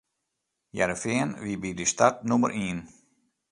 Hearrenfean wie by dy start nûmer ien.